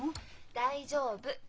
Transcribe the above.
大丈夫。